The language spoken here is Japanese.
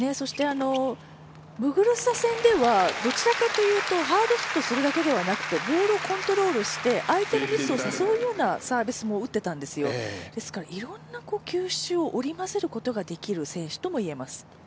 ムグルッサ戦ではどちらかというとハードヒットするだけではなくてボールをコントロールして相手のミスを誘うようなサービスも打っていたんですよですからいろんな球種を織り交ぜることができる選手とも言えます。